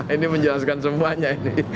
ini menjelaskan semuanya